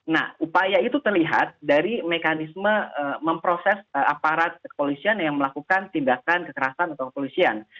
nah upaya itu terlihat dari mekanisme memproses aparat kepolisian yang melakukan tindakan kekerasan atau kepolisian